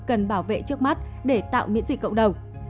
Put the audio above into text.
cần bảo vệ trước mắt để tạo miễn dịch cộng đồng